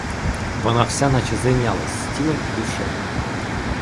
Вона вся неначе зайнялась з тілом і душею.